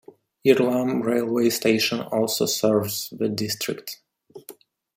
Irlam railway station also serves the district.